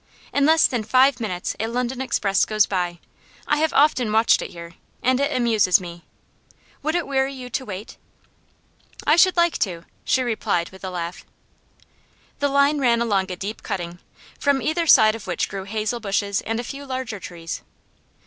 'In less than five minutes a London express goes by; I have often watched it here, and it amuses me. Would it weary you to wait?' 'I should like to,' she replied with a laugh. The line ran along a deep cutting, from either side of which grew hazel bushes and a few larger trees.